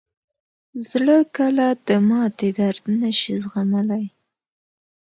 زړه کله د ماتې درد نه شي زغملی.